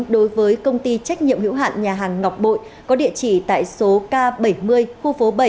đối với công ty trách nhiệm hữu hạn nhà hàng ngọc bội có địa chỉ tại số k bảy mươi khu phố bảy